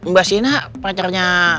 udah ngopi udah lu